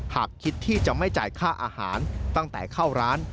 หากคิดที่จะไม่จ่ายค่าอาหารตั้งแต่เข้าร้าน